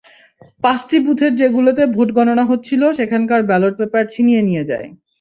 পাঁচটি বুথের যেগুলোতে ভোট গণনা হচ্ছিল সেখানকার ব্যালট পেপার ছিনিয়ে নিয়ে যায়।